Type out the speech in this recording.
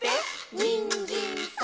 「にんじんさん」